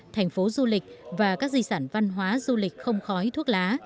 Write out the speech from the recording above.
thành phố du lịch và các di sản văn hóa du lịch không khói thuốc lá